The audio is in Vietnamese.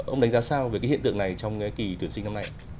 ông đánh giá sao về cái hiện tượng này trong cái kỳ tuyển sinh năm nay